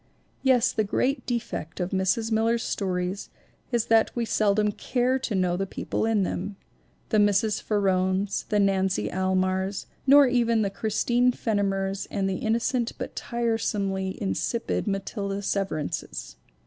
Yes, the great defect of Mrs. Miller's stories is that we seldom care to know the people in them, the Mrs. Farrons, the Nancy Almars, nor even the Christine 322 THE WOMEN WHO MAKE OUR NOVELS Fenimers and the innocent but tiresomely insipid Ma thilde Severances.